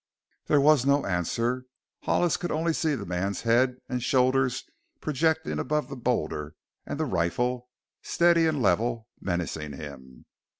There was no answer. Hollis could see only the man's head and shoulders projecting above the boulder, and the rifle steady and level menacing him.